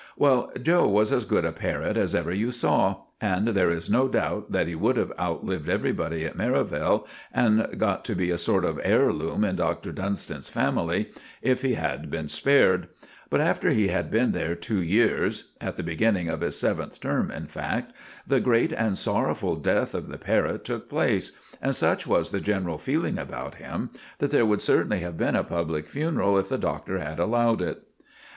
Well, 'Joe' was as good a parrot as ever you saw, and there is no doubt that he would have outlived everybody at Merivale and got to be a sort of heirloom in Dr. Dunstan's family, if he had been spared; but after he had been there two years—at the beginning of his seventh term, in fact—the great and sorrowful death of the parrot took place; and such was the general feeling about him that there would certainly have been a public funeral if the Doctor had allowed it.